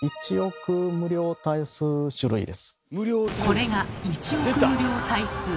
これが１億無量大数。